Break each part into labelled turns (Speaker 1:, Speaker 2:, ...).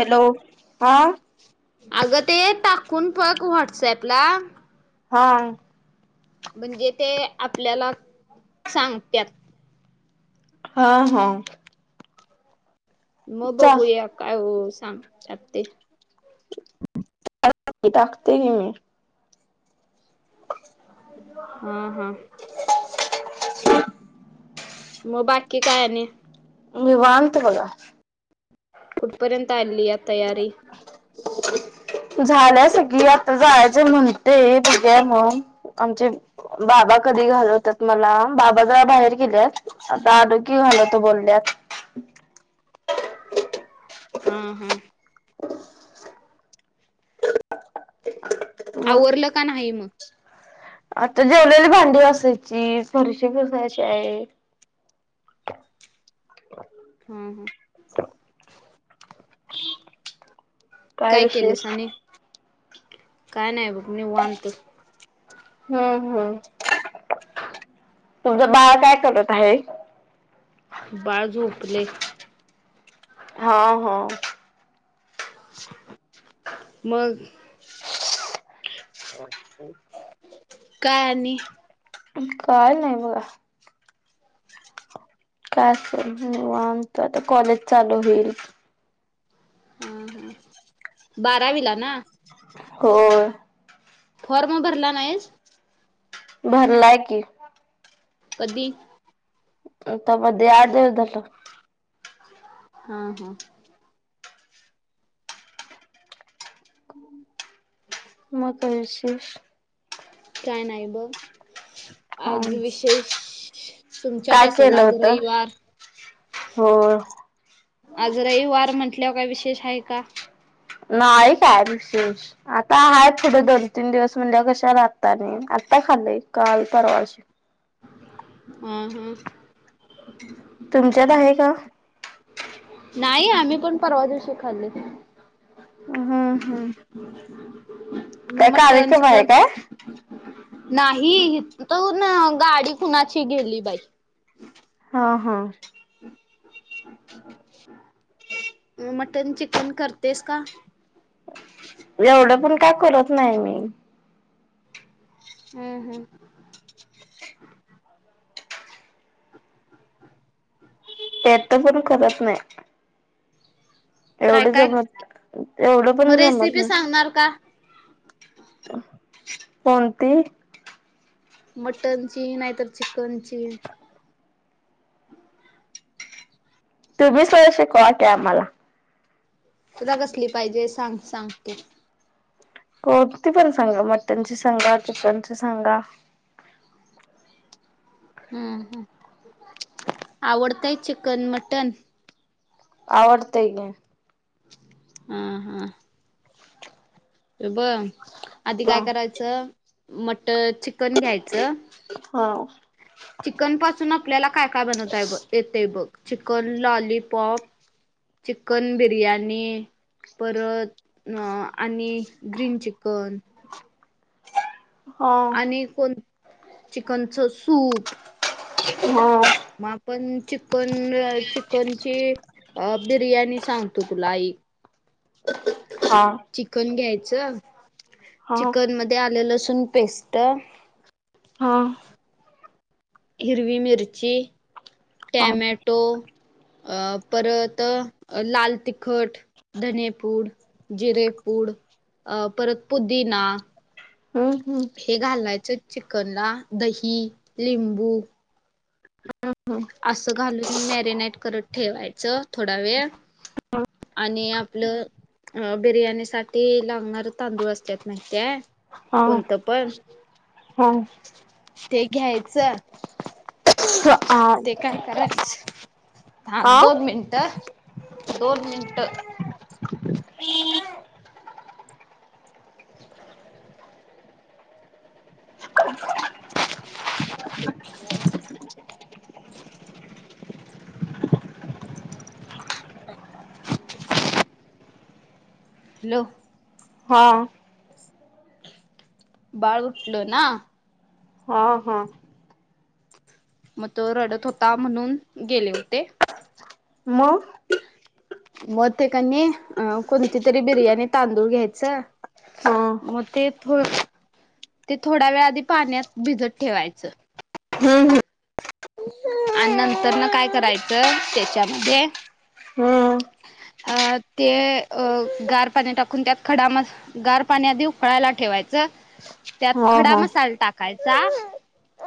Speaker 1: Hello! हा.
Speaker 2: अगं ते टाकून बघ व्हॉट्सॲपला.
Speaker 1: हा.
Speaker 2: म्हणजे ते आपल्याला सांगत्यात.
Speaker 1: हा हा.
Speaker 2: मग बघूया काय सांगतात ते.
Speaker 1: [unintelligible] टाकते घे मे.
Speaker 2: हा हा.
Speaker 1: [inaudible]
Speaker 2: मग बाकी काय आणि.
Speaker 1: निवांत बघा.
Speaker 2: कुठपर्यंत आलीया तयारी.
Speaker 1: झाल्या सगळी आता जायच म्हणते, बगूया मग आमचे बाबा कधी घालवतात मला, बाबा जरा बाहेर गेल्यात. आता आलो की घालवतो बोल्यात.
Speaker 2: हम, हम.
Speaker 1: म.
Speaker 2: आवरलं का नाही मग.
Speaker 1: आता जेवलेली भांडी घासायची, फरशी पुसायची आहे. [unintelligible]
Speaker 2: हम्, हम.
Speaker 1: ह [unintelligible]
Speaker 2: काय केलंस आणि? काय नाही बघ निवांत.
Speaker 1: अं, हं तुमचं बाळ काय करत आहे?
Speaker 2: बाळ झोपलय.
Speaker 1: हा, हा.
Speaker 2: मग.
Speaker 1: [unintelligible]
Speaker 2: काय आणि?
Speaker 1: काय नाही बघा. काय असच निवांत, आता कॉलेज चालू होईल.
Speaker 2: आ, हं बारावीला ना?
Speaker 1: होय.
Speaker 2: फॉर्म भरला नाहीस?
Speaker 1: भरलाय की. [unintelligible]
Speaker 2: कधी?
Speaker 1: आता मध्ये आठदिवस झालं.
Speaker 2: आ, हा.
Speaker 1: मग काय विशेष?
Speaker 2: काय नाही ब.
Speaker 1: हा
Speaker 2: आज विशेष, तुमच्यात असल आज रविवार.
Speaker 1: होय.
Speaker 2: आज रविवार म्हंटल्यावर का विशेष आहे का?
Speaker 1: नाहीय काय विशेष. आता आहेत पुढे दोन -तीन दिवस, म्हटल्यावर कशाला आता आणि, आता खाल्लंय काल परवाशी.
Speaker 2: हम्, हम्म.
Speaker 1: तुमच्यात आहे का?
Speaker 2: नाही आम्ही पण परवादिवशी खाल्लोय.
Speaker 1: हम्म, हम्.
Speaker 2: [unintelligible]
Speaker 1: काय कार्यक्रम आहे
Speaker 2: चिकन
Speaker 1: काय?
Speaker 2: नाही इथून गाडी कुणाची गेली बाई
Speaker 1: हा हा
Speaker 2: [unintelligible] मटन चिकन करतेस का?
Speaker 1: एवढं पण का करत नाही मी.
Speaker 2: हम्म हम्म
Speaker 1: येत पण करत नाही.
Speaker 2: काय
Speaker 1: एवढं
Speaker 2: काय
Speaker 1: जमत एवढं
Speaker 2: मग
Speaker 1: पण जमत
Speaker 2: रेसिपी
Speaker 1: नाही.
Speaker 2: सांगणार का?
Speaker 1: कोणती
Speaker 2: मटन ची नाहीतर चिकन ची
Speaker 1: तुम्ही स्वडा शिकवा की आम्हाला
Speaker 2: तुला कसली पाहिजे सांग सांग तू
Speaker 1: कोणती पण सांगा मटन सांगा चिकन सांगा.
Speaker 2: हम्म ह आवडतय चिकन मटन
Speaker 1: आवडतेय की?
Speaker 2: हम हा बर आधी काय
Speaker 1: हा
Speaker 2: करायचं मटर चिकन घ्यायचं.
Speaker 1: हा
Speaker 2: चिकन पासून आपल्याला काय काय बनवताय ब येतय बघ चिकन लॉलीपॉप चिकन बिर्याणी परत आणि ग्रीन चिकन
Speaker 1: हा
Speaker 2: आणि कोण चिकनचं सूप
Speaker 1: हम्म
Speaker 2: मग आपण चिकन चिकनची अ बिर्याणी सांगतो तुला ऐक.
Speaker 1: हा
Speaker 2: चिकन घ्यायचं
Speaker 1: हा हा
Speaker 2: चिकन मध्ये आले लसून पेस्ट
Speaker 1: हा
Speaker 2: हिरवी मिरची
Speaker 1: हा
Speaker 2: टॉमेटो अ परत लाल तिखट धनेपूड जिरेपूड अ परत पुदीना
Speaker 1: हम् हम्
Speaker 2: हे घालायचं चिकन ला दही लिंबू
Speaker 1: ह ह
Speaker 2: असं घालून मॅरिनेट करत ठेवायचं थोडा वेळ आणि आपलं बिर्याणी साठी लागणार तांदूळ असत्यात माहितय
Speaker 1: हा
Speaker 2: कोणतं पण
Speaker 1: हा
Speaker 2: ते घ्यायचं.
Speaker 1: [inaudible]
Speaker 2: ते काय कराच ह
Speaker 1: आ
Speaker 2: दोन मिनिटं दोन मिनटं
Speaker 1: [inaudible] [inaudible]
Speaker 2: हॅलो!
Speaker 1: हां
Speaker 2: बाळ उठल ना.
Speaker 1: हां हां
Speaker 2: मग तो रडत होता म्हणून गेले होते.
Speaker 1: मग
Speaker 2: मग ते कणी अ कोणती तरी बिर्याणी तांदूळ घ्यायचं.
Speaker 1: हा
Speaker 2: मग ते थोड थोड्या वेळ आधी पाण्यात भिजत ठेवायचं.
Speaker 1: हम्म
Speaker 2: आणि नंतर न काय करायचं त्याच्यामध्ये
Speaker 1: हम्म
Speaker 2: अ ते अ गार पाणी टाकून त्यात खडा म गार पाणी आधी उकळायला ठेवायचं. त्यात
Speaker 1: हा
Speaker 2: खडा
Speaker 1: हा
Speaker 2: मसाला टाकायचा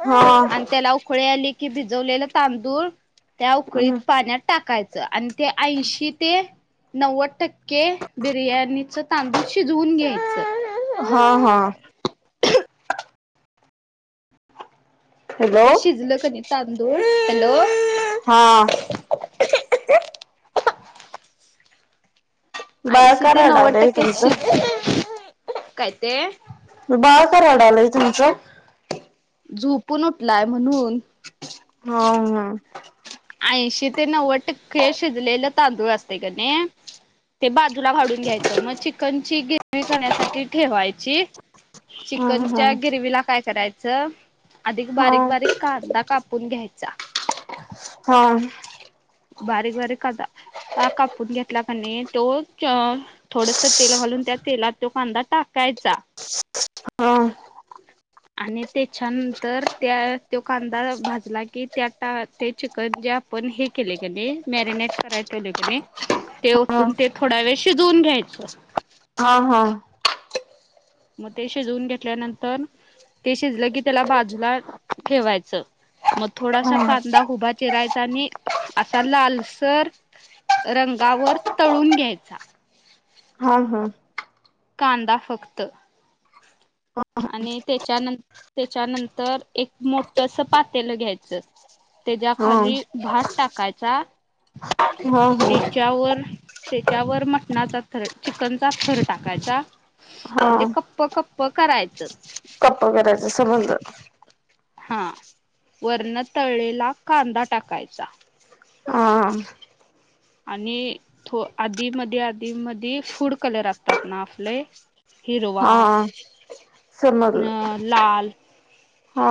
Speaker 1: हा
Speaker 2: आणि त्याला उ उकळी आले की भिजवलेलं तांदूळ त्या उकळीत पाण्यात टाकायचं आणि ते ऐंशी की ते नव्वद टक्के बिर्याणीच तांदूळ शिजवून घ्यायचं.
Speaker 1: हां हां. हॅलो
Speaker 2: हे शिजलं कनी तांदूळ हॅलो!
Speaker 1: हां बाळ
Speaker 2: ऐंशी
Speaker 1: का
Speaker 2: ते नव्वद
Speaker 1: रडालय
Speaker 2: टक्के
Speaker 1: तुमचं
Speaker 2: शिजलय काय ते
Speaker 1: बाळ का रडायलय तुमचं?
Speaker 2: झोपून उठलाय म्हणून
Speaker 1: हां हम्म
Speaker 2: ऐंशी ते नव्वद टक्के शिजलेलं तांदूळ असतय की नई ते बाजूला काडून घ्यायचं मग चिकन ची ग्रेवी करण्यासाठी ठेवायची.
Speaker 1: हा हा.
Speaker 2: चिकनच्या ग्रेवी ला काय करायचं अधिक
Speaker 1: हा
Speaker 2: बारीक बारीक कांदा कापून घ्यायचा.
Speaker 1: हां
Speaker 2: बारीक बारीक कांदा कापून घेतला का नई तो चो थोडस तेल घालून त्या तेलात तो कांदा टाकायचा.
Speaker 1: हां
Speaker 2: आणि त्याच्यानंतर त्या तो कांदा भाजला की त्या टा ते चिकन जे आपण हे केले क नई मॅरिनेट कराय ठेवले कनई ते ते
Speaker 1: हा हा.
Speaker 2: ओतून ते थोडा वेळ शिजवून घ्यायचं.
Speaker 1: हां हां.
Speaker 2: मग ते शिजवून घेतल्यानंतर ते शिजलं की त्याला बाजूला ठेवायचं. मग थोडासा
Speaker 1: हा.
Speaker 2: कांदा उभा चिरायचा आणि असा लालसर रंगावर तळून घ्यायचा.
Speaker 1: हां हां
Speaker 2: कांदा फक्त.
Speaker 1: [inaudible]
Speaker 2: आणि त्याच्यान त्याच्यानंतर एक मोठस पातेल घ्यायचं. त्याच्या
Speaker 1: हा.
Speaker 2: खाली भात टाक टाकायचा
Speaker 1: हा हा.
Speaker 2: त्याच्यावर त्याच्यावर मटणाचा थर चिकनचा थर टाकायचा
Speaker 1: हा.
Speaker 2: म्हणजे कप्प कप प करायचं.
Speaker 1: कप करायच समजलं.
Speaker 2: हा वर्णतळेला कांदा टाकायचा.
Speaker 1: हां
Speaker 2: आणि आधी मध्ये आधी म फूड कलर असतात ना आपले हिरवा
Speaker 1: हा, चल मग,
Speaker 2: अ
Speaker 1: हा.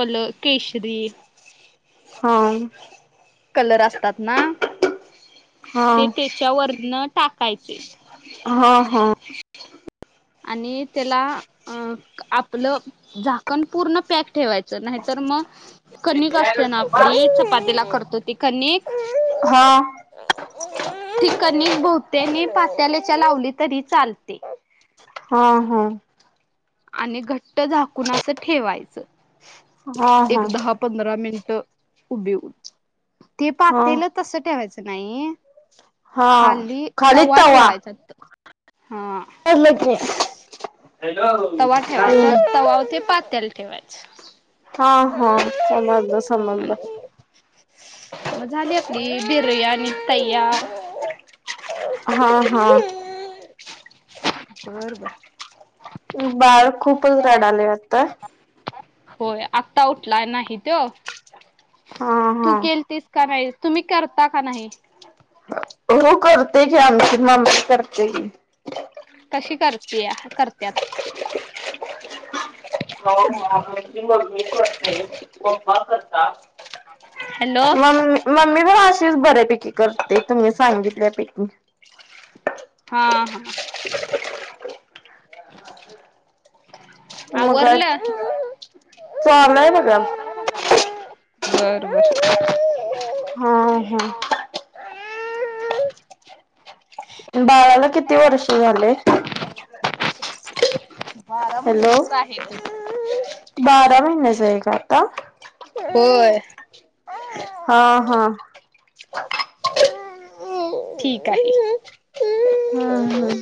Speaker 2: कल केशरी.
Speaker 1: हा‌,
Speaker 2: कलर असतात ना?
Speaker 1: हा.
Speaker 2: ते त्याच्यावरन टाकायचे.
Speaker 1: हा हा.
Speaker 2: आणि त्याला अ आपलं झाकण पूर्ण पॅक ठेवायचं नाही तर मग कणिक असते ना आपली चपातीला करतो त कणिक
Speaker 1: हा.
Speaker 2: ति कणिक बह्तेकनी पात्याल्याच्या लावली तरी चालते.
Speaker 1: हा हा.
Speaker 2: आणि घट्ट झाकून असं ठेवायचं
Speaker 1: हा
Speaker 2: एक
Speaker 1: हा.
Speaker 2: दहा पंधरा मिनिट उभी, ते
Speaker 1: हा
Speaker 2: पातेल तस ठेवायचं नाही
Speaker 1: हा.
Speaker 2: खाली
Speaker 1: खाली
Speaker 2: तवा ठेवायचा हा.
Speaker 1: बोलकी. हॅलो!
Speaker 2: तवा ठेवायचा तवा वर ते पातल ठेवायचं.
Speaker 1: हा हा समजलं समजलं.
Speaker 2: आणि मग झाली आपली बिर्याणी तयार.
Speaker 1: हा हा.
Speaker 2: बर बर.
Speaker 1: बाळ खूपच रडाले आता.
Speaker 2: होय आत्ता उठला नाही तो.
Speaker 1: हा हा
Speaker 2: तू केल तस कराय, तुम्ही करता का नाही?
Speaker 1: हो करतेय की आमची मम्मी करते की.
Speaker 2: कशी करतुया, करत्यात?
Speaker 1: हा ती मम्मी करते, पप्पा करता.
Speaker 2: हॅलो
Speaker 1: [inaudible] मम्मी मम्मी बघ अशीच बऱ्यापैकी करते तुम्ही सांगितल्या पैकी.
Speaker 2: हा हा.
Speaker 1: मग काय,
Speaker 2: आवरलं
Speaker 1: चाललंय बघा.
Speaker 2: बर बर.
Speaker 1: हा हा. बाळाला किती वर्ष झाले? [unintelligible]
Speaker 2: बारा
Speaker 1: हॅलो!
Speaker 2: महिनेच आहे [unintelligible]
Speaker 1: बारा महिनेचा आहे का आता?
Speaker 2: होय.
Speaker 1: हा हा.
Speaker 2: [unintelligible] ठीक आहे.
Speaker 1: हा हा.